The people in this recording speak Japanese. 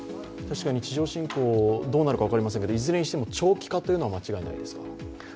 地上侵攻、どうなるか分かりませんけどいずれにしても長期化は間違いないですか？